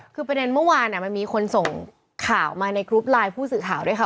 คือประเด็นเมื่อวานมันมีคนส่งข่าวมาในกรุ๊ปไลน์ผู้สื่อข่าวด้วยค่ะ